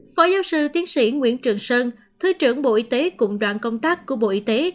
phó giáo sư tiến sĩ nguyễn trường sơn thứ trưởng bộ y tế cùng đoàn công tác của bộ y tế